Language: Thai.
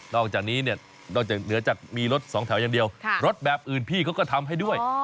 อกจากนี้เนี่ยนอกจากเหนือจากมีรถสองแถวอย่างเดียวรถแบบอื่นพี่เขาก็ทำให้ด้วย